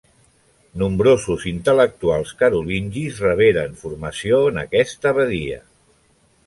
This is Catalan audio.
Nombrosos intel·lectuals carolingis reberen formació en aquesta abadia.